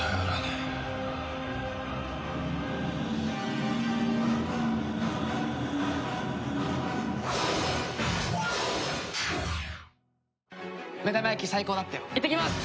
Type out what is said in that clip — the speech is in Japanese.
いってきます！